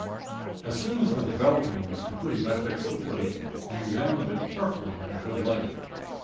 "As soon as the developing was complete I fixed the plate and examined it carefully in a good light.